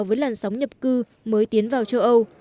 với làn sóng nhập cư mới tiến vào châu âu